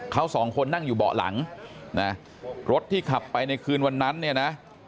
เขาสองคนนั่งอยู่เบาะหลังนะรถที่ขับไปในคืนวันนั้นเนี่ยนะ